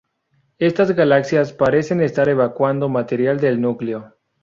Estas galaxias parecen estar evacuando material del núcleo.